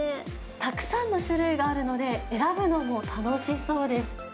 たくさんの種類があるので、選ぶのも楽しそうです。